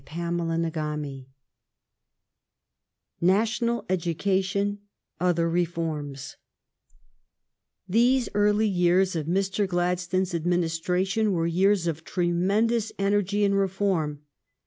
CHAPTER XXII NATIONAL EDUCATION ; OTHER REFORMS These early years of Mr. Gladstone's adminis tration were years of tremendous energy in reform.